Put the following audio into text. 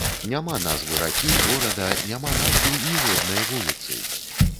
Няма назвы ракі, горада, няма назвы ніводнай вуліцы!